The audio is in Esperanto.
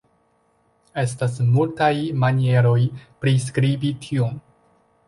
Estas multaj manieroj priskribi tion.